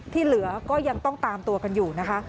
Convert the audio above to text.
ที่เหลือก็ยังต้องตามตัวกันอยู่นะคะ